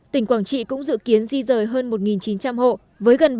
tỉnh quảng trị cũng dự kiến di rời hơn một chín trăm linh hộ với gần bảy tám trăm linh